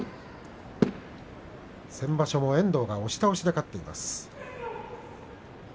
先場所も遠藤が押し倒しで勝っています。